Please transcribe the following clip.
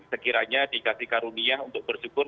sekiranya dikasih karunia untuk bersyukur